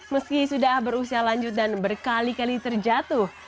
meski sudah berusia lanjut dan berkali kali terjatuh